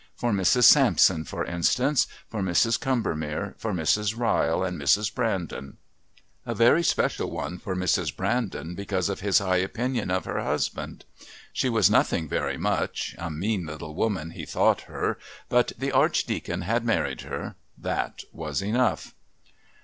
For Mrs. Sampson, for instance for Mrs. Combermere, for Mrs. Ryle and Mrs. Brandon. A very special one for Mrs. Brandon because of his high opinion of her husband. She was nothing very much "a mean little woman," he thought her but the Archdeacon had married her. That was enough.